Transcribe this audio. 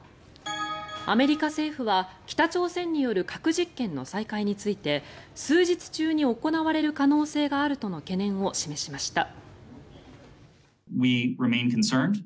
アメリカ政府は北朝鮮による核実験の再開について数日中に行われる可能性があるとの懸念を示しました。